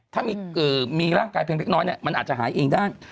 ถ้ามีร่างกายเพียงเล็กน้อยมันอาจจะหายเองได้